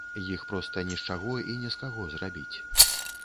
Іх проста не з чаго і не з каго зрабіць.